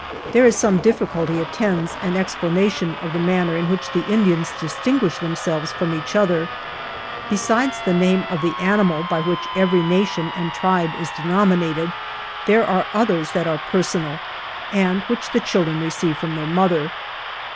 There is some difficulty attends an explanation of the man ner in which the Indians distinguish themselves from each other. Besides the name of the animal by which evey nation and tribe is denominated there are others that are personal, and which the children receive from their mother.